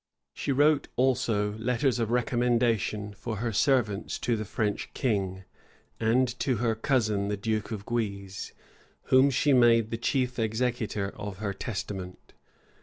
She wrote also letters of recommendation for her servants to the French king, and to her cousin the duke of Guise, whom she made the chief executor of her testament.